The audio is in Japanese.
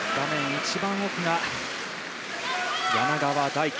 一番奥が柳川大樹。